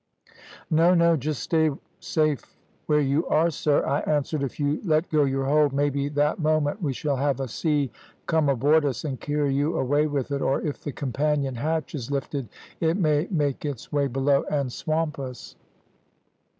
"`No, no; just stay safe where you are, sir,' I answered. `If you let go your hold, maybe that moment we shall have a sea come aboard us and carry you away with it, or if the companion hatch is lifted it may make its way below and swamp us.'